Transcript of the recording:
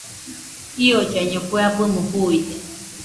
Iollaiño kue abɨmo juuide.